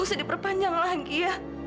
gak usah diperpanjang lagi ya